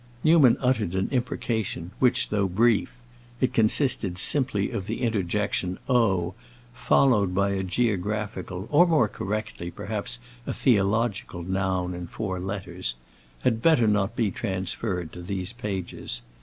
Newman uttered an imprecation which, though brief—it consisted simply of the interjection "Oh!" followed by a geographical, or more correctly, perhaps a theological noun in four letters—had better not be transferred to these pages.